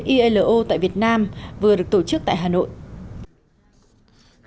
ilo tại việt nam vừa được tổ chức tại hà nội